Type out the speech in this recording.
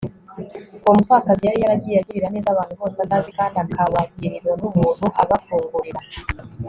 uwomupfakazi yari yaragiye agirira neza abantu bose atazi kandi akabagirira nubuntu abafungurira